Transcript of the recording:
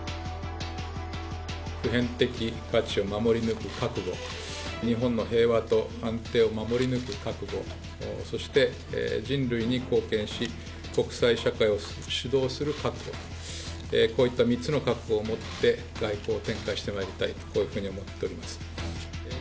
普遍的価値を守り抜く覚悟、日本の平和と安定を守り抜く覚悟、そして人類に貢献し、国際社会を主導する覚悟、こういった３つの覚悟を持って外交を展開してまいりたい、こういうふうに思っています。